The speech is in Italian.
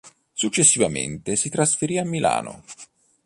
Successivamente si trasferì a Milano.